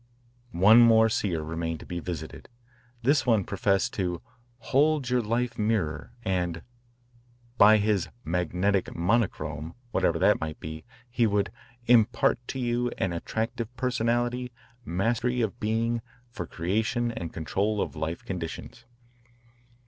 One more seer remained to be visited. This one professed to "hold your life mirror" and by his "magnetic monochrome," whatever that might be, he would "impart to you an attractive personality, mastery of being, for creation and control of life conditions."